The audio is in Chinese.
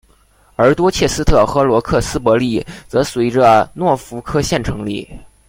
而多切斯特和罗克斯伯里则随着诺福克县成立。